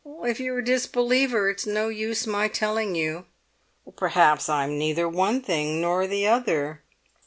"If you're a disbeliever it's no use my telling you." "Perhaps I'm neither one thing nor the other."